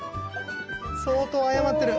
相当謝ってる。